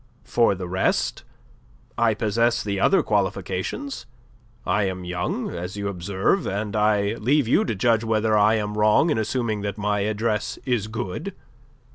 "For the rest: I possess the other qualifications. I am young, as you observe: and I leave you to judge whether I am wrong in assuming that my address is good.